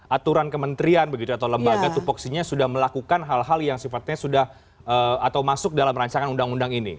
aturan kementerian begitu atau lembaga tupoksinya sudah melakukan hal hal yang sifatnya sudah atau masuk dalam rancangan undang undang ini